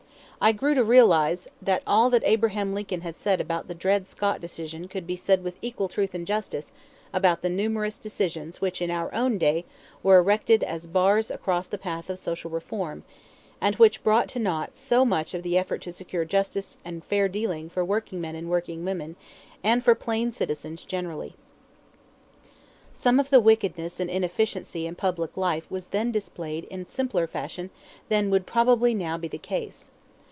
I grew to realize that all that Abraham Lincoln had said about the Dred Scott decision could be said with equal truth and justice about the numerous decisions which in our own day were erected as bars across the path of social reform, and which brought to naught so much of the effort to secure justice and fair dealing for workingmen and workingwomen, and for plain citizens generally. Some of the wickedness and inefficiency in public life was then displayed in simpler fashion than would probably now be the case.